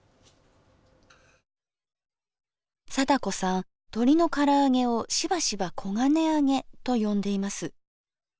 貞子さんとりの唐揚げをしばしば「黄金あげ」と呼んでいます。